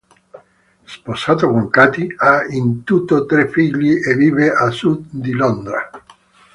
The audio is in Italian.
Sposato con Katy, ha in tutto tre figli e vive a sud di Londra.